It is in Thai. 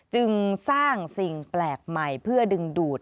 จึงสร้างสิ่งแปลกใหม่เพื่อดึงดูด